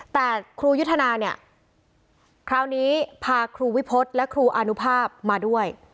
แต่ครูยุทธนาเนี่ยคราวนี้พาครูวิพฤษและครูอานุภาพมาด้วย